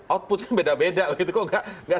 outputnya beda beda kok tidak